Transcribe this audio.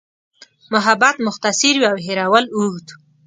محبت مختصر وي او هېرول اوږد.